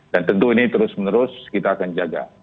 dan tentu ini terus menerus kita akan jaga